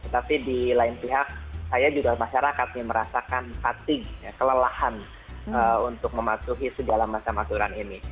tapi di lain pihak saya juga masyarakat merasakan fatigue kelelahan untuk mematuhi dalam masa maturan ini